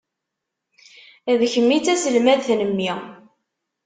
D kemm i d taselmadt n mmi.